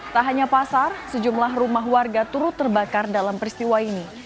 tak hanya pasar sejumlah rumah warga turut terbakar dalam peristiwa ini